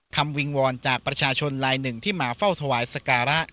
วิงวอนจากประชาชนลายหนึ่งที่มาเฝ้าถวายสการะ